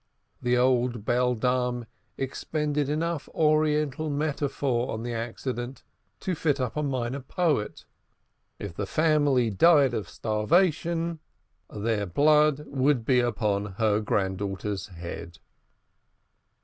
The old beldame expended enough oriental metaphor on the accident to fit up a minor poet. If the family died of starvation, their blood would be upon their granddaughter's head.